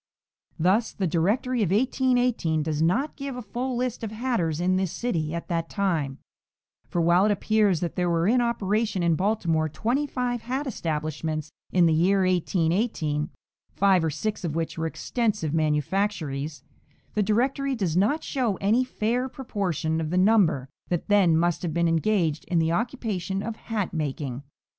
Thus the Directory of 1818 does not give a full list of hatters in this city at that time, for while it appears that there were in operation in Baltimore twenty five hat establishments in the year 1818 (five or six of which were extensive manufactories), the Directory does not show any fair proportion of the number that then must have been engaged in the occupation of hat making.